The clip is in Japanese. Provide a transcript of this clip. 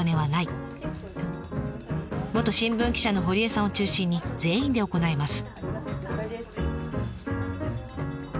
元新聞記者の堀江さんを中心に全員で行います。